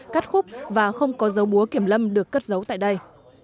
cắt khúc và không có dấu búa kiểm lâm được cất giấu tại đây